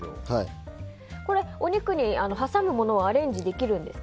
これ、お肉に挟むものはアレンジできるんですか？